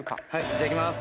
じゃあいきます。